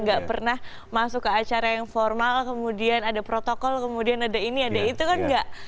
gak pernah masuk ke acara yang formal kemudian ada protokol kemudian ada ini ada itu kan enggak